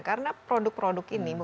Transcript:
karena produk produk ini